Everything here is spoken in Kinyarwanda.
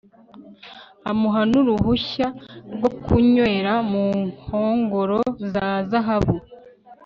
amuha n'uruhushya rwo kunywera mu nkongoro za zahabu